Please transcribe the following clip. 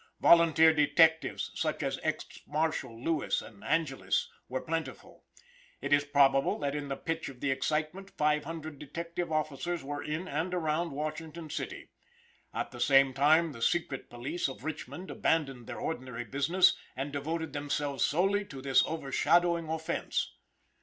Volunteer detectives, such as Ex Marshal Lewis and Angelis, were plentiful; it is probable that in the pitch of the excitement five hundred detective officers were in and around Washington city. At the same time the secret police of Richmond abandoned their ordinary business, and devoted themselves solely to this overshadowing offense.